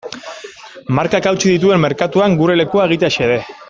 Markak hautsi dituen merkatuan gure lekua egitea xede.